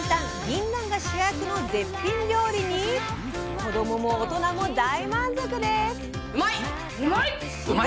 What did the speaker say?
ぎんなんが主役の絶品料理に子どもも大人も大満足です。